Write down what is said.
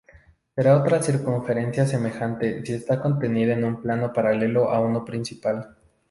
Será otra circunferencia semejante si está contenida en un plano paralelo a uno principal.